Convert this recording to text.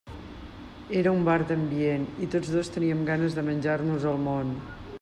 Era un bar d'ambient i tots dos teníem ganes de menjar-nos el món.